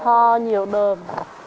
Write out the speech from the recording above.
thoa nhiều đơm